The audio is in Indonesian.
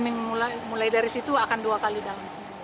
hari tanggal dua dan mulai dari situ akan dua kali dalam sidang